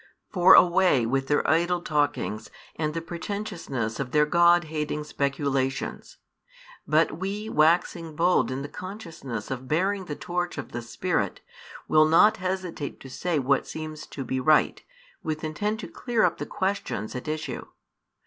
For away with their idle talkings and the pretentiousness of their God hating speculations! But we waxing bold in the consciousness of bearing the torch of the Spirit, will not hesitate to say what seems to be right, with intent to clear up the questions at issue.